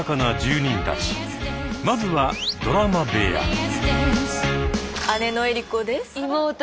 まずはドラマ部屋。わ！